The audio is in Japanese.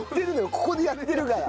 ここでやってるから。